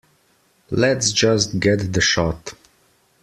Lets just get the shot.